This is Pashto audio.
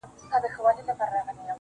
o درومم چي له ښاره روانـــــېـــږمــــه.